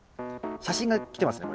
写真が来てますね